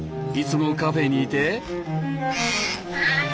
いつもカフェにいて。